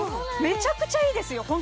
めちゃくちゃいいですよ